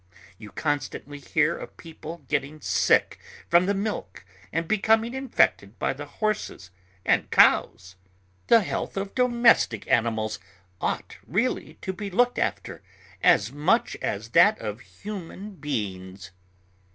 You constantly hear of people getting sick from the milk and becoming infected by the horses and cows. The health of domestic animals ought really to be looked after as much as that of human beings."